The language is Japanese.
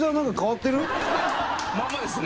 まんまですね。